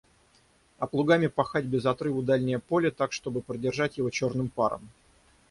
А плугами пахать без отрыву дальнее поле, так чтобы продержать его черным паром.